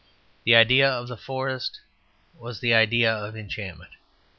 The idea of the forests was the idea of enchantment.